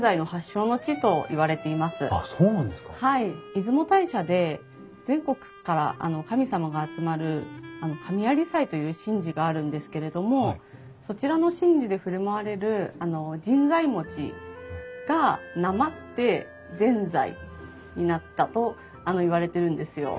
出雲大社で全国から神様が集まる神在祭という神事があるんですけれどもそちらの神事で振る舞われる神在餅がなまってぜんざいになったといわれてるんですよ。